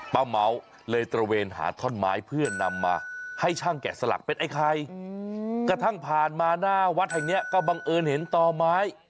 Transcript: เมาเลยตระเวนหาท่อนไม้เพื่อนำมาให้ช่างแกะสลักเป็นไอ้ไข่กระทั่งผ่านมาหน้าวัดแห่งเนี้ยก็บังเอิญเห็นต่อไม้